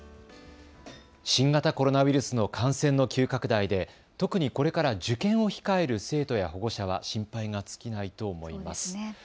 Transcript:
新型コロナウイルスの感染の急拡大で特にこれから受験を控える生徒や保護者は心配が尽きないと思います。